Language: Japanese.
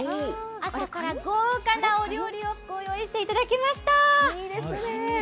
朝から豪華なお料理をご用意していただきました。